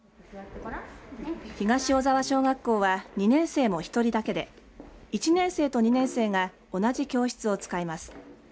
東小沢小学校は２年生も１人だけで１年生と２年生が同じ教室を使います。